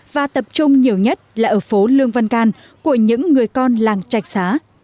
và tập trung nhiều nhất là ở phố lương văn can của những người con làng trạch xá